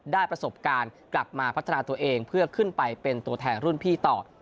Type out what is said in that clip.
ได้ประสบการณ์กลับมาพัฒนาตัวเองเพื่อขึ้นไปเป็นตัวแทนรุ่นพี่ต่อ